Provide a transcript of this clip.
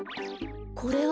これは。